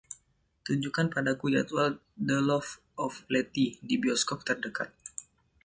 tunjukkan padaku jadwal The Loves of Letty di bioskop terdekat